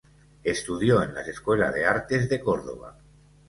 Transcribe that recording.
Estudió en la Escuela de Artes de Córdoba.